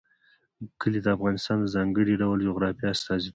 کلي د افغانستان د ځانګړي ډول جغرافیه استازیتوب کوي.